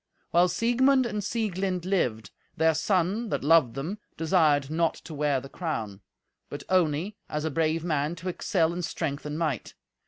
While Siegmund and Sieglind lived, their son, that loved them, desired not to wear the crown, but only, as a brave man, to excel in strength and might.